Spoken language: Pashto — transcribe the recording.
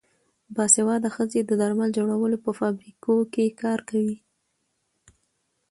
باسواده ښځې د درمل جوړولو په فابریکو کې کار کوي.